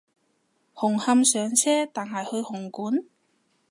紅磡上車但係去紅館？